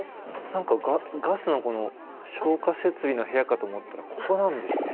何かガスのこの消火設備の部屋かと思ったらここなんですね。